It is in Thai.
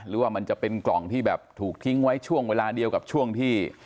หรือว่ามันจะเป็นกล่องที่แบบถูกทิ้งไว้ช่วงเวลาเดียวกับช่วงที่